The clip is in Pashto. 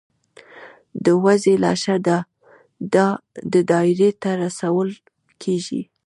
د وزې لاشه د دایرې ته رسول کیږي.